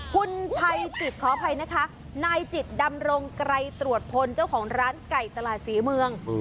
คุณภัยจิตขออภัยนะคะนายจิตดำรงไกรตรวจพลเจ้าของร้านไก่ตลาดศรีเมือง